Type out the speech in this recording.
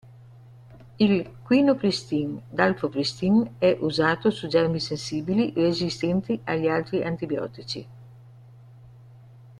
Il Quinupristin-dalfopristin è usato su germi sensibili resistenti agli altri antibiotici.